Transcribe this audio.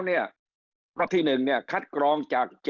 ปัจจุที่หนึ่งคัดกรองจาก